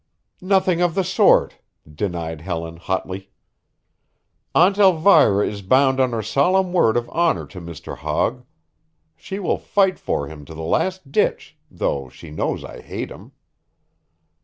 "Nothing of the sort," denied Helen hotly. "Aunt Elvira is bound on her solemn word of honor to Mr. Hogg. She will fight for him to the last ditch, though she knows I hate him."